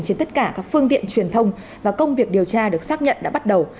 trên tất cả các phương tiện truyền thông và công việc điều tra được xác nhận đã bắt đầu